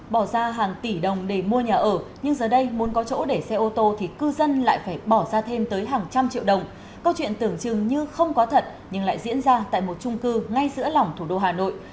bỏ ra hàng tỷ đồng để mua nhà ở nhưng giờ đây muốn có chỗ để xe ô tô thì cư dân lại phải bỏ ra thêm tới hàng trăm triệu đồng câu chuyện tưởng chừng như không có thật nhưng lại diễn ra tại một trung cư ngay giữa lỏng thủ đô hà nội